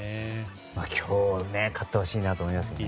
今日、勝ってほしいなと思いますよね。